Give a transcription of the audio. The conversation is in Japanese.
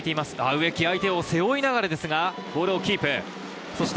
植木、相手を背負いながらボールをキープ。